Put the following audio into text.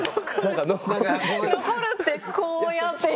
残るってこうやって。